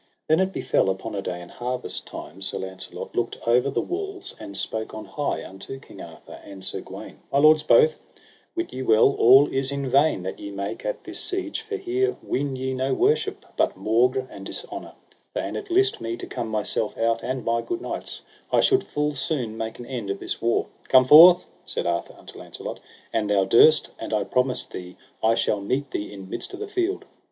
Then it befell upon a day in harvest time, Sir Launcelot looked over the walls, and spake on high unto King Arthur and Sir Gawaine: My lords both, wit ye well all is in vain that ye make at this siege, for here win ye no worship but maugre and dishonour; for an it list me to come myself out and my good knights, I should full soon make an end of this war. Come forth, said Arthur unto Launcelot, an thou durst, and I promise thee I shall meet thee in midst of the field.